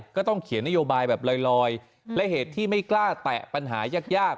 ก็ต้องเขียนนโยบายแบบลอยและเหตุที่ไม่กล้าแตะปัญหายาก